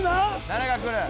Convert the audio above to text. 誰がくる？